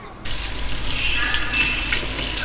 精河补血草为白花丹科补血草属下的一个种。